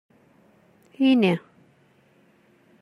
Ini.